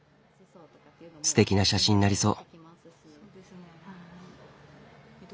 すてきな写真になりそう。